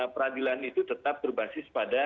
peradilan itu tetap berbasis pada